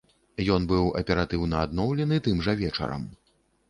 Ён быў аператыўна адноўлены тым жа вечарам.